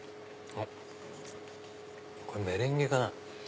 あっこれメレンゲかな。